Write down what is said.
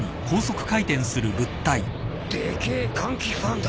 でけえ換気ファンだ。